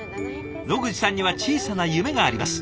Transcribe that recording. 野口さんには小さな夢があります。